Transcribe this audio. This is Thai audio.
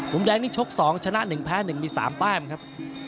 มุมแดงนี่ชก๒ชนะ๑แพ้๑มี๓แต้มครับ